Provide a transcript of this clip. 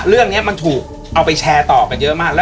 เรื่องนี้มันถูกเอาไปแชร์ต่อกันเยอะมาก